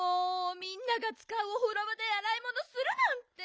みんながつかうおふろばであらいものするなんて！